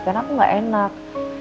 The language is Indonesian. karena aku nggak enak